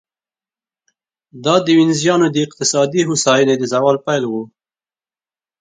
دا د وینزیانو د اقتصادي هوساینې د زوال پیل و